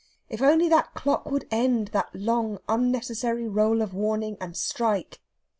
If only that clock would end that long unnecessary roll of warning, and strike!